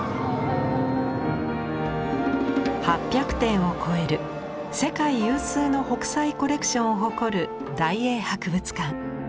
８００点を超える世界有数の北斎コレクションを誇る大英博物館。